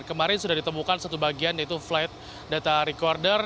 kemarin sudah ditemukan satu bagian yaitu flight data recorder